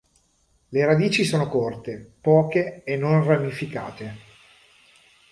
Le radici sono corte, poche e non ramificate.